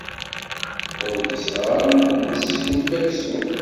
Awi-d isɣaren ad neseknef aksum.